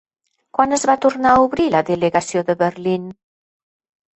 Quan es va tornar a obrir la delegació de Berlín?